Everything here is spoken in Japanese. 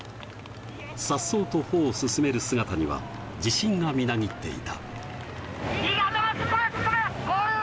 さっそうと歩を進める姿には自信がみなぎっていた。